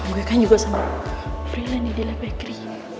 gue kan juga sama freelance di light bakery